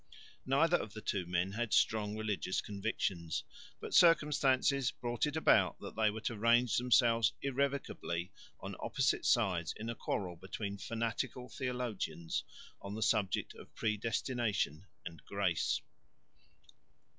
Neither of the two men had strong religious convictions, but circumstances brought it about that they were to range themselves irrevocably on opposite sides in a quarrel between fanatical theologians on the subject of predestination and grace.